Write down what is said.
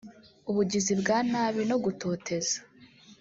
ubugizi bwa nabi no gutoteza